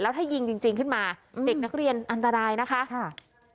ถ้ายิงจริงขึ้นมาเด็กนักเรียนอันตรายนะคะค่ะ